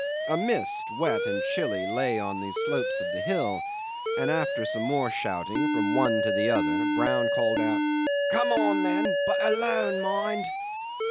A mist, wet and chilly, lay on the slopes of the hill, and after some more shouting from one to the other, Brown called out, "Come on, then, but alone, mind!"